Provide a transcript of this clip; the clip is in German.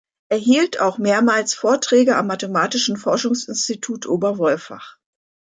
Er hielt auch mehrmals Vorträge am Mathematischen Forschungsinstitut Oberwolfach.